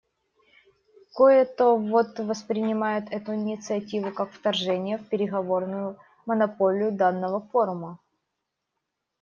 Кое-то вот воспринимает эту инициативу как вторжение в переговорную монополию данного форума.